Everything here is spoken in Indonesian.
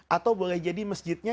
atau boleh jadi masjidnya